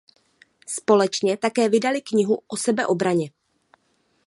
Společně také vydali knihu o sebeobraně.